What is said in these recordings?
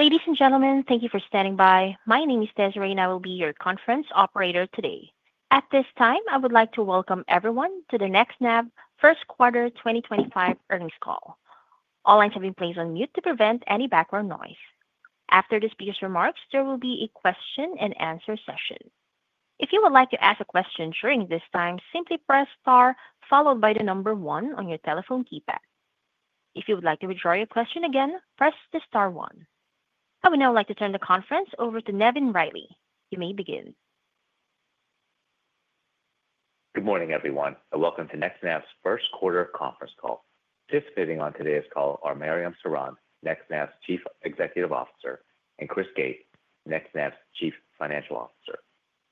Ladies and gentlemen, thank you for standing by. My name is Desiree, and I will be your conference operator today. At this time, I would like to welcome everyone to the NextNav First Quarter 2025 earnings call. All lines have been placed on mute to prevent any background noise. After the speaker's remarks, there will be a question-and-answer session. If you would like to ask a question during this time, simply press Star, followed by the number one on your telephone keypad. If you would like to withdraw your question again, press the Star one. I would now like to turn the conference over to Nevin Reilly. You may begin. Good morning, everyone, and welcome to NextNav's First Quarter conference call. Participating on today's call are Mariam Sorond, NextNav's Chief Executive Officer, and Chris Gates, NextNav's Chief Financial Officer.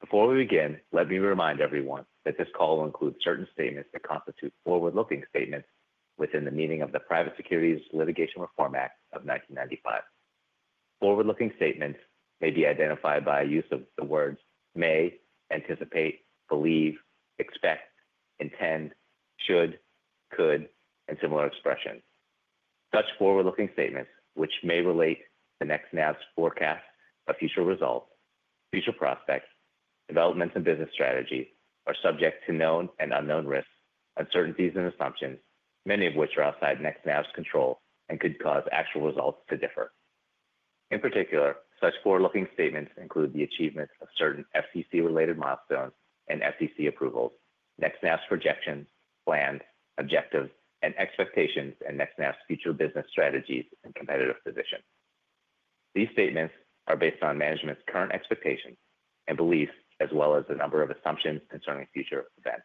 Before we begin, let me remind everyone that this call will include certain statements that constitute forward-looking statements within the meaning of the Private Securities Litigation Reform Act of 1995. Forward-looking statements may be identified by use of the words may, anticipate, believe, expect, intend, should, could, and similar expressions. Such forward-looking statements, which may relate to NextNav's forecast of future results, future prospects, developments, and business strategy, are subject to known and unknown risks, uncertainties, and assumptions, many of which are outside NextNav's control and could cause actual results to differ. In particular, such forward-looking statements include the achievement of certain FCC-related milestones and FCC approvals, NextNav's projections, plans, objectives, and expectations in NextNav's future business strategies and competitive position. These statements are based on management's current expectations and beliefs, as well as the number of assumptions concerning future events.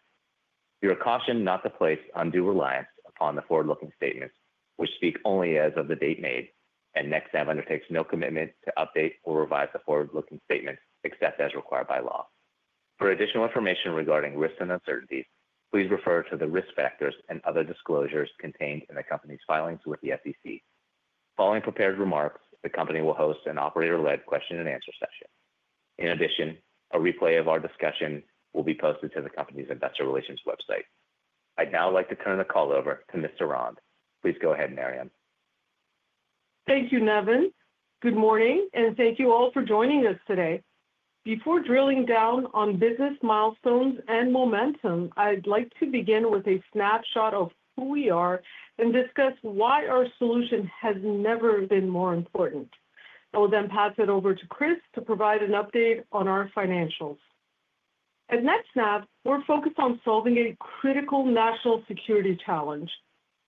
We are cautioned not to place undue reliance upon the forward-looking statements, which speak only as of the date made, and NextNav undertakes no commitment to update or revise the forward-looking statements except as required by law. For additional information regarding risks and uncertainties, please refer to the risk factors and other disclosures contained in the company's filings with the FCC. Following prepared remarks, the company will host an operator-led question-and-answer session. In addition, a replay of our discussion will be posted to the company's investor relations website. I'd now like to turn the call over to Ms. Sorond. Please go ahead, Mariam. Thank you, Nevin. Good morning, and thank you all for joining us today. Before drilling down on business milestones and momentum, I'd like to begin with a snapshot of who we are and discuss why our solution has never been more important. I will then pass it over to Chris to provide an update on our financials. At NextNav, we're focused on solving a critical national security challenge: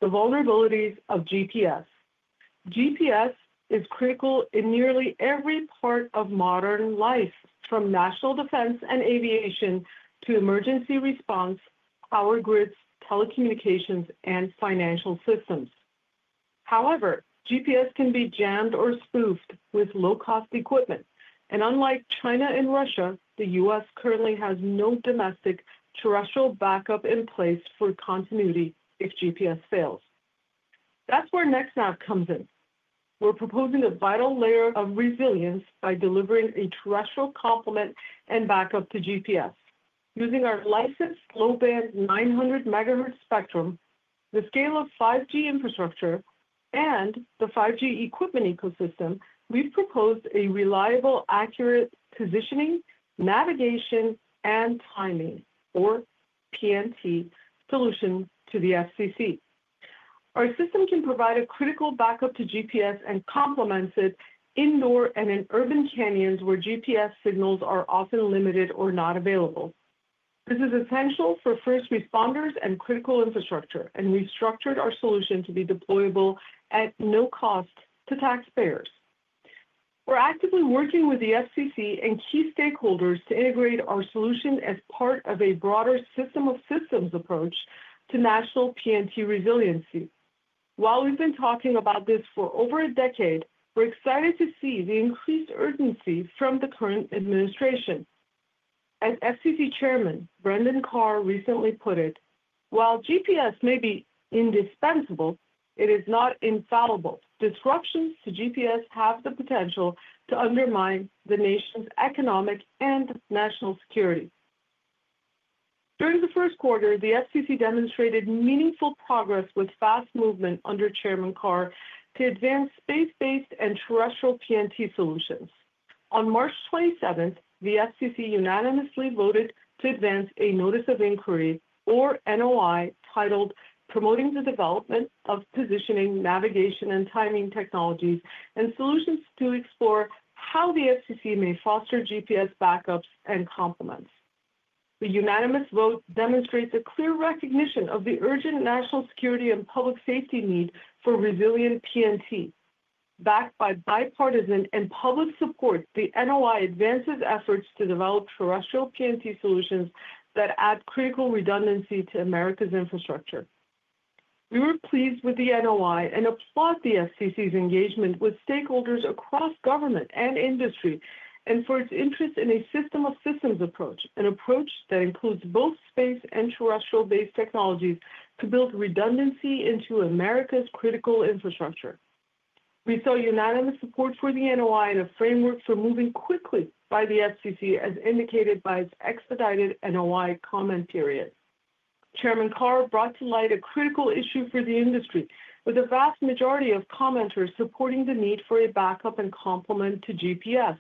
the vulnerabilities of GPS. GPS is critical in nearly every part of modern life, from national defense and aviation to emergency response, power grids, telecommunications, and financial systems. However, GPS can be jammed or spoofed with low-cost equipment, and unlike China and Russia, the U.S. currently has no domestic terrestrial backup in place for continuity if GPS fails. That's where NextNav comes in. We're proposing a vital layer of resilience by delivering a terrestrial complement and backup to GPS. Using our licensed low-band 900 MHz spectrum, the scale of 5G infrastructure, and the 5G equipment ecosystem, we've proposed a reliable, accurate positioning, navigation, and timing, or PNT, solution to the FCC. Our system can provide a critical backup to GPS and complement it indoor and in urban canyons where GPS signals are often limited or not available. This is essential for first responders and critical infrastructure, and we've structured our solution to be deployable at no cost to taxpayers. We're actively working with the FCC and key stakeholders to integrate our solution as part of a broader system of systems approach to national PNT resiliency. While we've been talking about this for over a decade, we're excited to see the increased urgency from the current administration. As FCC Chairman Brendan Carr recently put it, "While GPS may be indispensable, it is not infallible. Disruptions to GPS have the potential to undermine the nation's economic and national security. During the first quarter, the FCC demonstrated meaningful progress with fast movement under Chairman Carr to advance space-based and terrestrial PNT solutions. On March 27, the FCC unanimously voted to advance a Notice of Inquiry, or NOI, titled "Promoting the Development of Positioning, Navigation, and Timing Technologies and Solutions to Explore How the FCC May Foster GPS Backups and Complements." The unanimous vote demonstrates a clear recognition of the urgent national security and public safety need for resilient PNT. Backed by bipartisan and public support, the NOI advances efforts to develop terrestrial PNT solutions that add critical redundancy to America's infrastructure. We were pleased with the NOI and applaud the FCC's engagement with stakeholders across government and industry and for its interest in a system of systems approach, an approach that includes both space and terrestrial-based technologies to build redundancy into America's critical infrastructure. We saw unanimous support for the NOI and a framework for moving quickly by the FCC, as indicated by its expedited NOI comment period. Chairman Carr brought to light a critical issue for the industry, with a vast majority of commenters supporting the need for a backup and complement to GPS.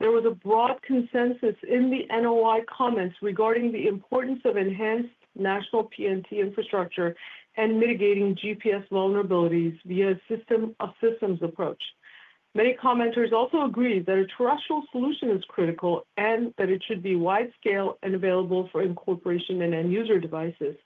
There was a broad consensus in the NOI comments regarding the importance of enhanced national PNT infrastructure and mitigating GPS vulnerabilities via a system of systems approach. Many commenters also agreed that a terrestrial solution is critical and that it should be wide-scale and available for incorporation in end-user devices.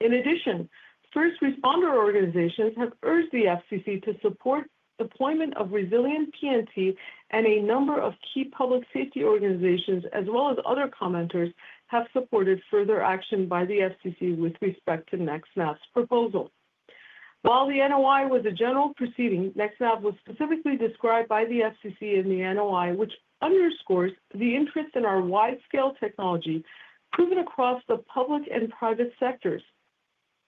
In addition, first responder organizations have urged the FCC to support the deployment of resilient PNT, and a number of key public safety organizations, as well as other commenters, have supported further action by the FCC with respect to NextNav's proposal. While the NOI was a general proceeding, NextNav was specifically described by the FCC in the NOI, which underscores the interest in our wide-scale technology proven across the public and private sectors.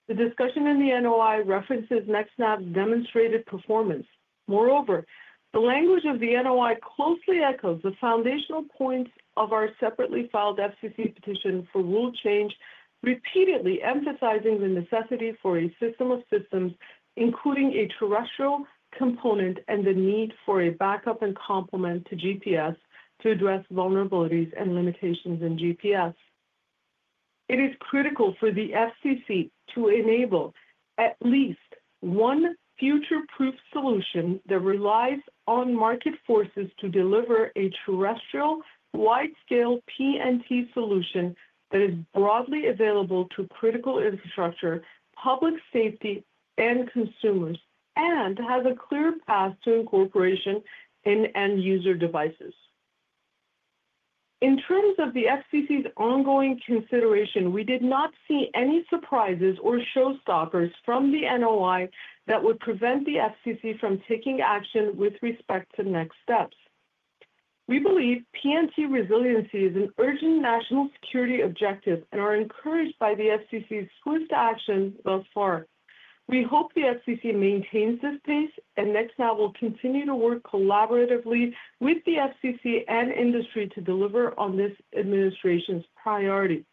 The discussion in the NOI references NextNav's demonstrated performance. Moreover, the language of the NOI closely echoes the foundational points of our separately filed FCC petition for rule change, repeatedly emphasizing the necessity for a system of systems, including a terrestrial component, and the need for a backup and complement to GPS to address vulnerabilities and limitations in GPS. It is critical for the FCC to enable at least one future-proof solution that relies on market forces to deliver a terrestrial, wide-scale PNT solution that is broadly available to critical infrastructure, public safety, and consumers, and has a clear path to incorporation in end-user devices. In terms of the FCC's ongoing consideration, we did not see any surprises or showstoppers from the NOI that would prevent the FCC from taking action with respect to next steps. We believe PNT resiliency is an urgent national security objective and are encouraged by the FCC's swift action thus far. We hope the FCC maintains this pace, and NextNav will continue to work collaboratively with the FCC and industry to deliver on this administration's priority.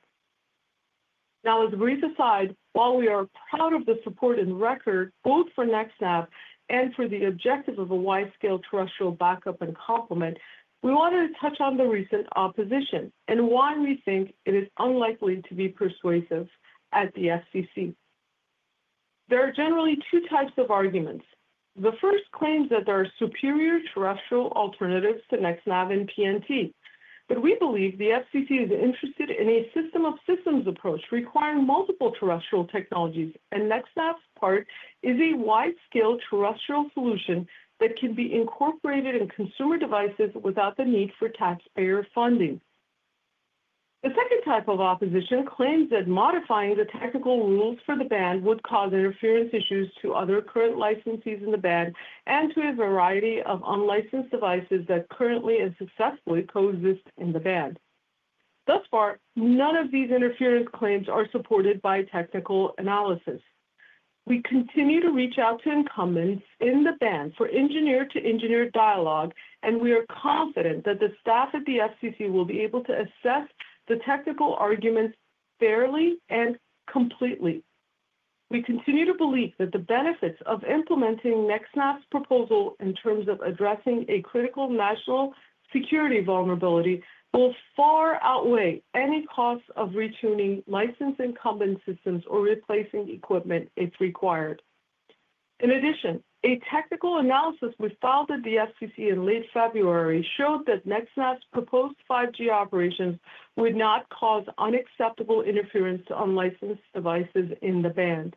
Now, as a brief aside, while we are proud of the support and record, both for NextNav and for the objective of a wide-scale terrestrial backup and complement, we wanted to touch on the recent opposition and why we think it is unlikely to be persuasive at the FCC. There are generally two types of arguments. The first claims that there are superior terrestrial alternatives to NextNav and PNT, but we believe the FCC is interested in a system of systems approach requiring multiple terrestrial technologies, and NextNav's part is a wide-scale terrestrial solution that can be incorporated in consumer devices without the need for taxpayer funding. The second type of opposition claims that modifying the technical rules for the band would cause interference issues to other current licensees in the band and to a variety of unlicensed devices that currently and successfully coexist in the band. Thus far, none of these interference claims are supported by technical analysis. We continue to reach out to incumbents in the band for engineer-to-engineer dialogue, and we are confident that the staff at the FCC will be able to assess the technical arguments fairly and completely. We continue to believe that the benefits of implementing NextNav's proposal in terms of addressing a critical national security vulnerability will far outweigh any costs of retuning licensed incumbent systems or replacing equipment if required. In addition, a technical analysis we filed at the FCC in late February showed that NextNav's proposed 5G operations would not cause unacceptable interference to unlicensed devices in the band.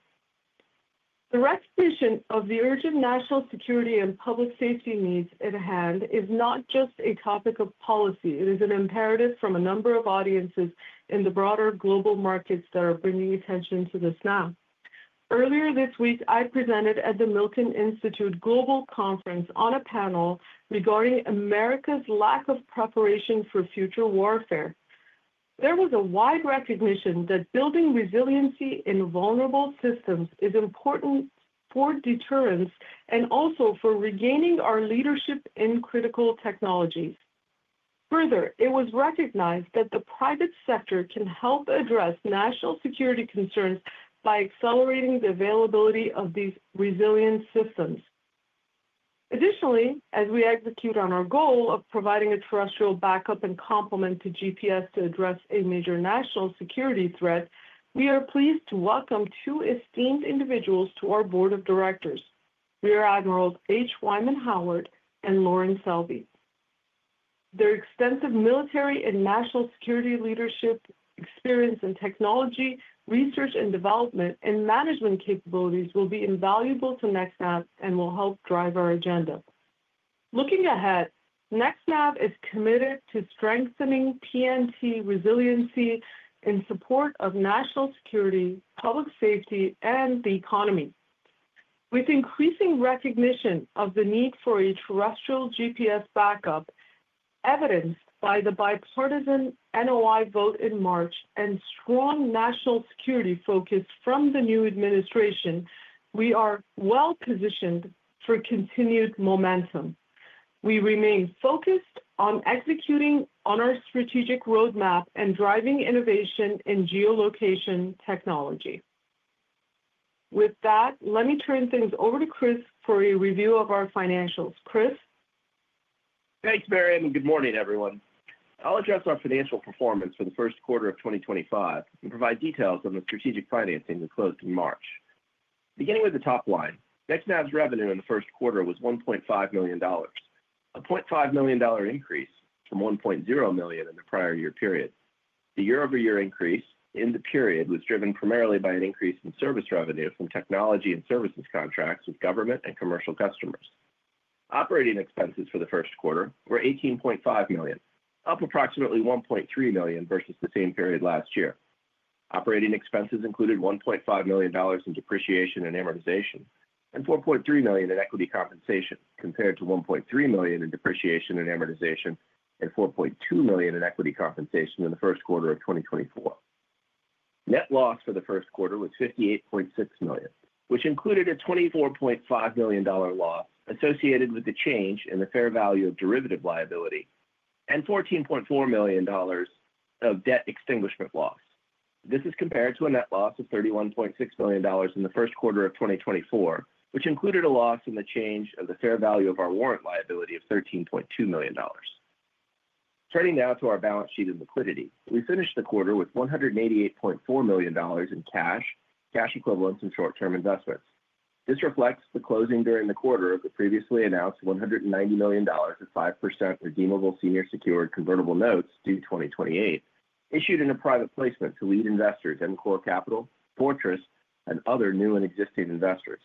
The recognition of the urgent national security and public safety needs at hand is not just a topic of policy. It is an imperative from a number of audiences in the broader global markets that are bringing attention to this now. Earlier this week, I presented at the Milken Institute Global Conference on a panel regarding America's lack of preparation for future warfare. There was a wide recognition that building resiliency in vulnerable systems is important for deterrence and also for regaining our leadership in critical technologies. Further, it was recognized that the private sector can help address national security concerns by accelerating the availability of these resilient systems. Additionally, as we execute on our goal of providing a terrestrial backup and complement to GPS to address a major national security threat, we are pleased to welcome two esteemed individuals to our board of directors: Rear Admirals H. Wyman Howard and Loren Selby. Their extensive military and national security leadership experience in technology, research and development, and management capabilities will be invaluable to NextNav and will help drive our agenda. Looking ahead, NextNav is committed to strengthening PNT resiliency in support of national security, public safety, and the economy. With increasing recognition of the need for a terrestrial GPS backup, evidenced by the bipartisan NOI vote in March, and strong national security focus from the new administration, we are well positioned for continued momentum. We remain focused on executing on our strategic roadmap and driving innovation in geolocation technology. With that, let me turn things over to Chris for a review of our financials. Chris? Thanks, Mariam, and good morning, everyone. I'll address our financial performance for the first quarter of 2025 and provide details on the strategic financing that closed in March. Beginning with the top line, NextNav's revenue in the first quarter was $1.5 million, a $0.5 million increase from $1.0 million in the prior year period. The year-over-year increase in the period was driven primarily by an increase in service revenue from technology and services contracts with government and commercial customers. Operating expenses for the first quarter were $18.5 million, up approximately $1.3 million versus the same period last year. Operating expenses included $1.5 million in depreciation and amortization and $4.3 million in equity compensation, compared to $1.3 million in depreciation and amortization and $4.2 million in equity compensation in the first quarter of 2024. Net loss for the first quarter was $58.6 million, which included a $24.5 million loss associated with the change in the fair value of derivative liability and $14.4 million of debt extinguishment loss. This is compared to a net loss of $31.6 million in the first quarter of 2024, which included a loss in the change of the fair value of our warrant liability of $13.2 million. Turning now to our balance sheet and liquidity, we finished the quarter with $188.4 million in cash, cash equivalents, and short-term investments. This reflects the closing during the quarter of the previously announced $190 million of 5% redeemable senior secured convertible notes due 2028, issued in a private placement to lead investors MCore Capital, Fortress, and other new and existing investors.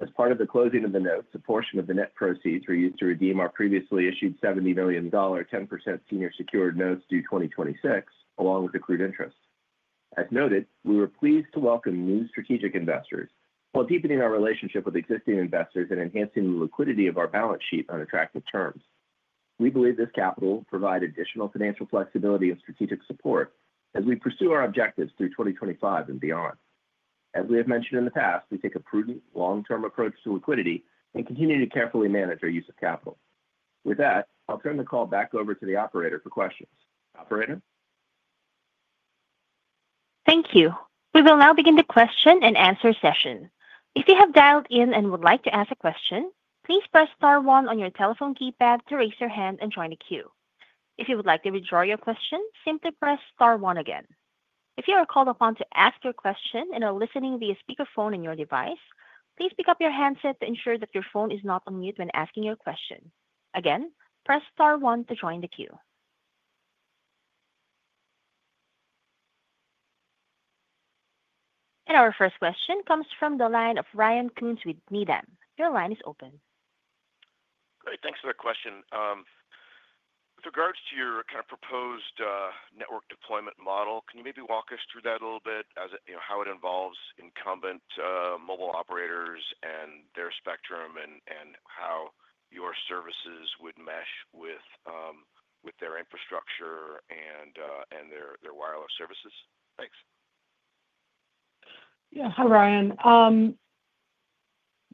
As part of the closing of the notes, a portion of the net proceeds were used to redeem our previously issued $70 million 10% senior secured notes due 2026, along with accrued interest. As noted, we were pleased to welcome new strategic investors while deepening our relationship with existing investors and enhancing the liquidity of our balance sheet on attractive terms. We believe this capital will provide additional financial flexibility and strategic support as we pursue our objectives through 2025 and beyond. As we have mentioned in the past, we take a prudent, long-term approach to liquidity and continue to carefully manage our use of capital. With that, I'll turn the call back over to the operator for questions. Operator? Thank you. We will now begin the question and answer session. If you have dialed in and would like to ask a question, please press star one on your telephone keypad to raise your hand and join the queue. If you would like to withdraw your question, simply press star one again. If you are called upon to ask your question and are listening via speakerphone on your device, please pick up your handset to ensure that your phone is not on mute when asking your question. Again, press star one to join the queue. Our first question comes from the line of Ryan Coons with Needham & Company. Your line is open. Great. Thanks for the question. With regards to your kind of proposed network deployment model, can you maybe walk us through that a little bit as how it involves incumbent mobile operators and their spectrum and how your services would mesh with their infrastructure and their wireless services? Thanks. Yeah. Hi, Ryan.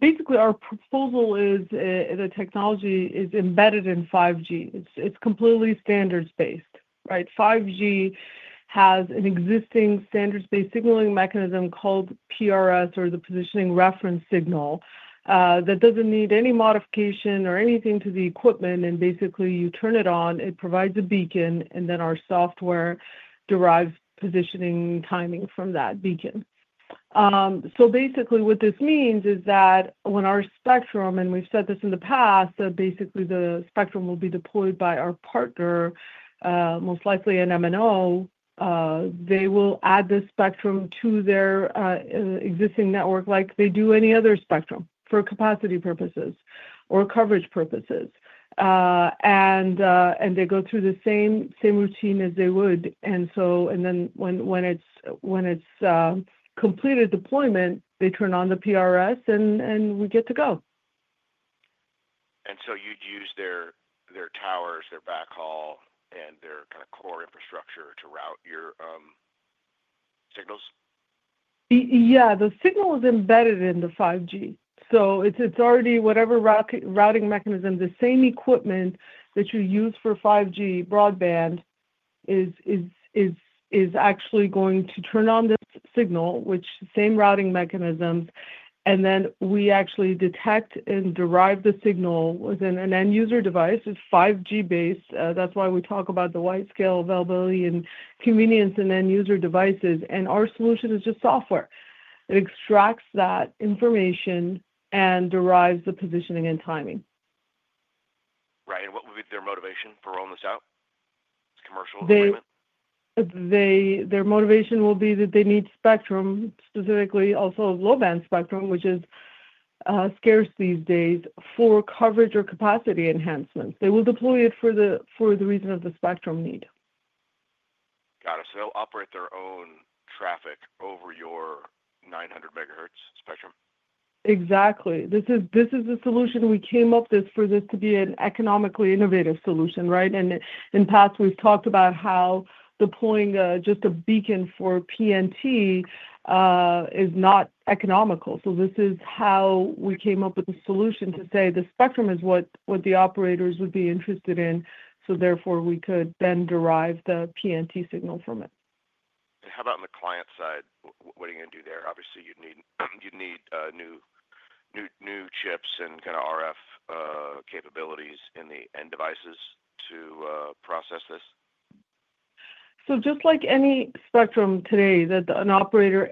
Basically, our proposal is the technology is embedded in 5G. It's completely standards-based. 5G has an existing standards-based signaling mechanism called PRS, or the positioning reference signal, that doesn't need any modification or anything to the equipment. Basically, you turn it on, it provides a beacon, and then our software derives positioning timing from that beacon. What this means is that when our spectrum—and we've said this in the past—basically, the spectrum will be deployed by our partner, most likely an MNO, they will add the spectrum to their existing network like they do any other spectrum for capacity purposes or coverage purposes. They go through the same routine as they would. When it's completed deployment, they turn on the PRS, and we get to go. You'd use their towers, their backhaul, and their kind of core infrastructure to route your signals? Yeah. The signal is embedded in the 5G. It is already whatever routing mechanism, the same equipment that you use for 5G broadband is actually going to turn on the signal, which is the same routing mechanism. We actually detect and derive the signal within an end-user device. It is 5G-based. That is why we talk about the wide-scale availability and convenience in end-user devices. Our solution is just software. It extracts that information and derives the positioning and timing. Right. What would be their motivation for rolling this out? It's commercial deployment? Their motivation will be that they need spectrum, specifically also low-band spectrum, which is scarce these days, for coverage or capacity enhancements. They will deploy it for the reason of the spectrum need. Got it. So they'll operate their own traffic over your 900 MHz spectrum? Exactly. This is the solution we came up with for this to be an economically innovative solution. In the past, we've talked about how deploying just a beacon for PNT is not economical. This is how we came up with the solution to say the spectrum is what the operators would be interested in, so therefore we could then derive the PNT signal from it. How about on the client side? What are you going to do there? Obviously, you'd need new chips and kind of RF capabilities in the end devices to process this. Just like any spectrum today that an operator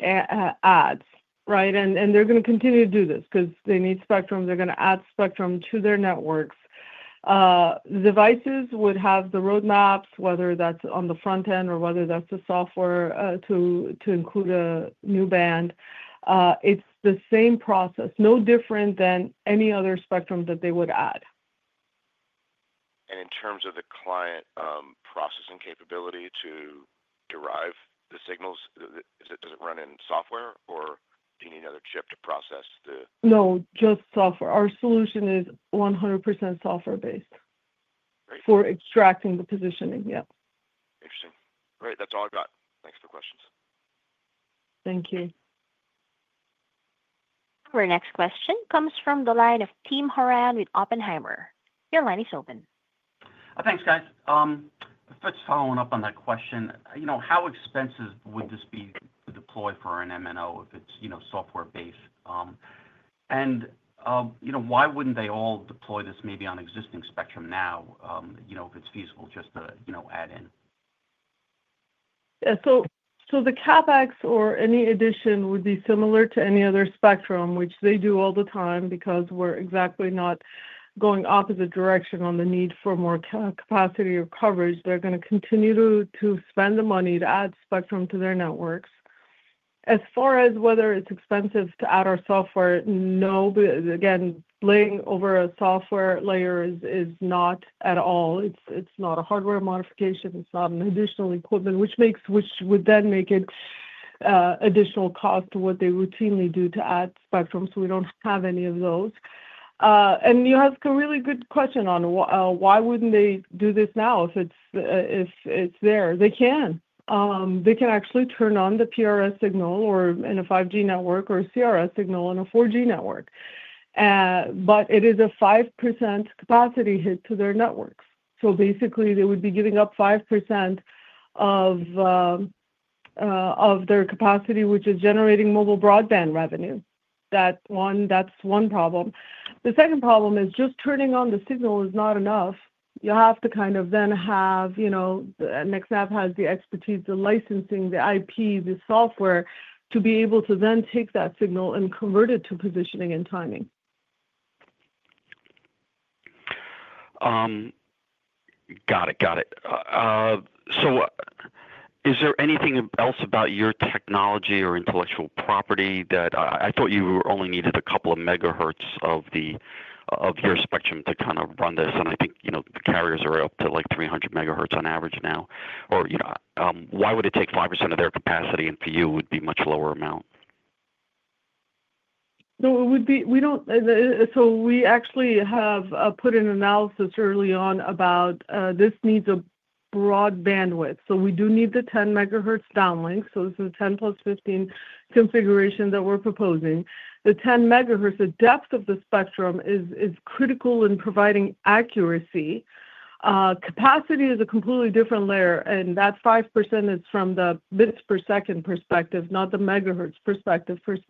adds, and they're going to continue to do this because they need spectrum. They're going to add spectrum to their networks. The devices would have the roadmaps, whether that's on the front end or whether that's the software to include a new band. It's the same process, no different than any other spectrum that they would add. In terms of the client processing capability to derive the signals, does it run in software, or do you need another chip to process the? No, just software. Our solution is 100% software-based for extracting the positioning. Yeah. Interesting. All right. That's all I've got. Thanks for the questions. Thank you. Our next question comes from the line of Tim Horan with Oppenheimer. Your line is open. Thanks, guys. Fitz, following up on that question, how expensive would this be to deploy for an MNO if it's software-based? Why wouldn't they all deploy this maybe on existing spectrum now if it's feasible just to add in? The CapEx or any addition would be similar to any other spectrum, which they do all the time because we're exactly not going opposite direction on the need for more capacity or coverage. They're going to continue to spend the money to add spectrum to their networks. As far as whether it's expensive to add our software, no. Again, laying over a software layer is not at all. It's not a hardware modification. It's not an additional equipment, which would then make it additional cost to what they routinely do to add spectrum. We don't have any of those. You ask a really good question on why wouldn't they do this now if it's there. They can. They can actually turn on the PRS signal in a 5G network or a CRS signal on a 4G network. It is a 5% capacity hit to their networks. Basically, they would be giving up 5% of their capacity, which is generating mobile broadband revenue. That's one problem. The second problem is just turning on the signal is not enough. You have to kind of then have NextNav has the expertise, the licensing, the IP, the software to be able to then take that signal and convert it to positioning and timing. Got it. Got it. Is there anything else about your technology or intellectual property that I thought you only needed a couple of megahertz of your spectrum to kind of run this? I think the carriers are up to like 300 MHz on average now. Why would it take 5% of their capacity and for you it would be a much lower amount? We actually have put an analysis early on about this needs a broad bandwidth. We do need the 10 MHz downlink. This is a 10 MHz+ 15 MHz configuration that we're proposing. The 10 megahertz, the depth of the spectrum is critical in providing accuracy. Capacity is a completely different layer. That 5% is from the bits per second perspective, not the megahertz perspective. It's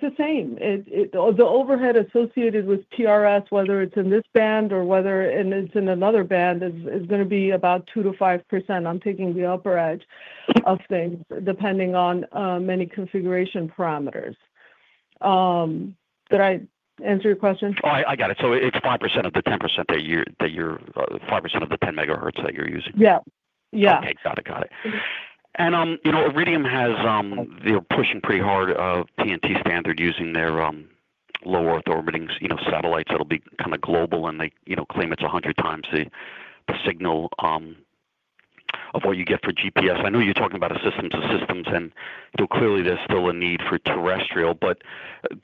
the same. The overhead associated with PRS, whether it's in this band or whether it's in another band, is going to be about 2%-5%. I'm taking the upper edge of things depending on many configuration parameters. Did I answer your question? Oh, I got it. So it's 5% of the 10% that you're 5% of the 10 MHz that you're using. Yeah. Yeah. Okay. Got it. Got it. And Iridium has, they're pushing pretty hard on PNT standard using their low-earth orbiting satellites. It'll be kind of global, and they claim it's 100 times the signal of what you get for GPS. I know you're talking about a systems to systems, and clearly there's still a need for terrestrial. Do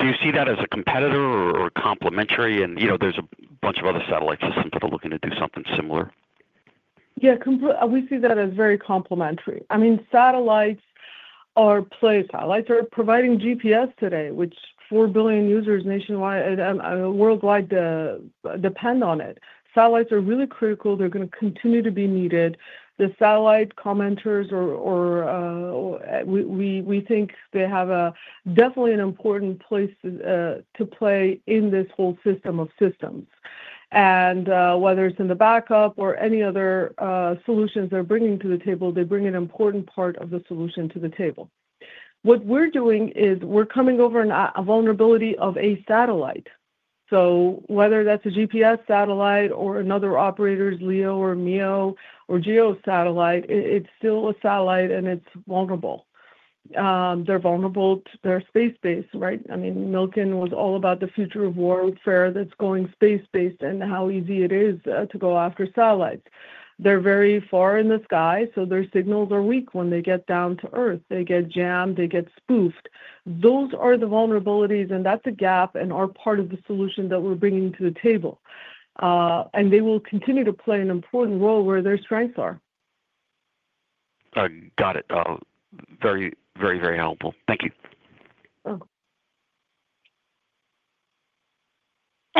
you see that as a competitor or complementary? There's a bunch of other satellite systems that are looking to do something similar. Yeah. We see that as very complementary. I mean, satellites are providing GPS today, which 4 billion users worldwide depend on it. Satellites are really critical. They're going to continue to be needed. The satellite commenters, we think they have definitely an important place to play in this whole system of systems. Whether it's in the backup or any other solutions they're bringing to the table, they bring an important part of the solution to the table. What we're doing is we're coming over a vulnerability of a satellite. Whether that's a GPS satellite or another operator's LEO or MEO or GEO satellite, it's still a satellite, and it's vulnerable. They're vulnerable. They're space-based. I mean, Milken was all about the future of warfare that's going space-based and how easy it is to go after satellites. They're very far in the sky, so their signals are weak when they get down to Earth. They get jammed. They get spoofed. Those are the vulnerabilities, and that's a gap and are part of the solution that we're bringing to the table. They will continue to play an important role where their strengths are. Got it. Very, very, very helpful. Thank you.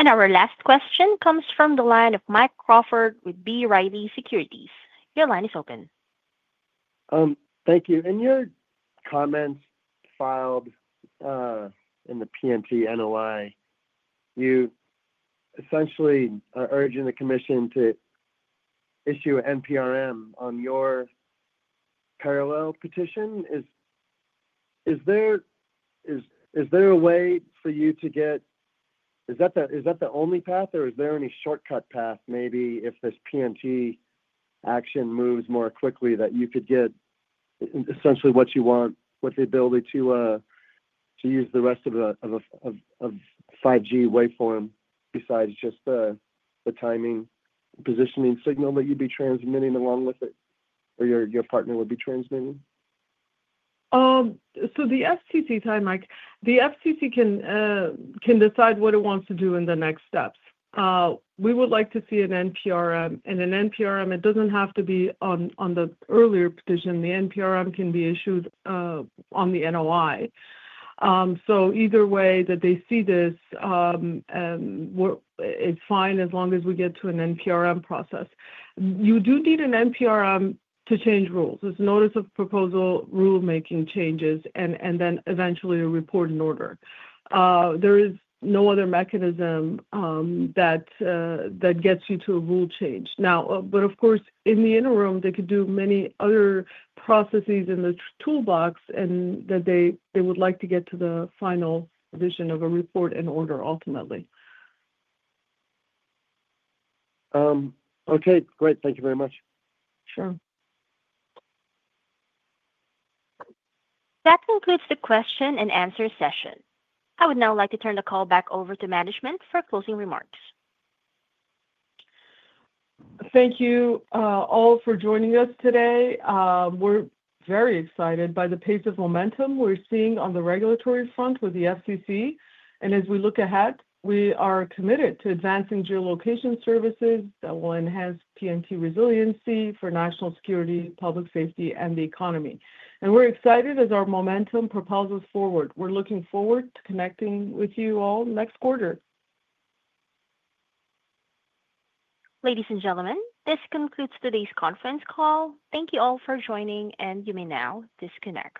Our last question comes from the line of Mike Crawford with B. Riley Securities. Your line is open. Thank you. In your comments filed in the PNT NOI, you essentially are urging the commission to issue an NPRM on your parallel petition. Is that the only path, or is there any shortcut path maybe if this PNT action moves more quickly that you could get essentially what you want with the ability to use the rest of 5G waveform besides just the timing positioning signal that you'd be transmitting along with it or your partner would be transmitting? The FCC time, Mike, the FCC can decide what it wants to do in the next steps. We would like to see an NPRM. An NPRM, it does not have to be on the earlier petition. The NPRM can be issued on the NOI. Either way that they see this, it is fine as long as we get to an NPRM process. You do need an NPRM to change rules. It is a notice of proposal rulemaking changes and then eventually a report in order. There is no other mechanism that gets you to a rule change. Of course, in the interim, they could do many other processes in the toolbox and that they would like to get to the final position of a report in order ultimately. Okay. Great. Thank you very much. Sure. That concludes the question and answer session. I would now like to turn the call back over to management for closing remarks. Thank you all for joining us today. We're very excited by the pace of momentum we're seeing on the regulatory front with the FCC. As we look ahead, we are committed to advancing geolocation services that will enhance PNT resiliency for national security, public safety, and the economy. We're excited as our momentum propulses forward. We're looking forward to connecting with you all next quarter. Ladies and gentlemen, this concludes today's conference call. Thank you all for joining, and you may now disconnect.